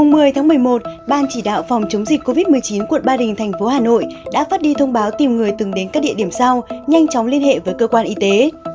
ngày một mươi tháng một mươi một ban chỉ đạo phòng chống dịch covid một mươi chín quận ba đình thành phố hà nội đã phát đi thông báo tìm người từng đến các địa điểm sau nhanh chóng liên hệ với cơ quan y tế